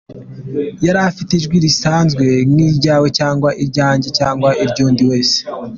Yari afite ijwi risanzwe nk’iryawe cyangwa iryanjye cyangwa iry’undi wese.